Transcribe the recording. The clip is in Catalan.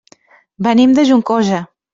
Venim de Juncosa.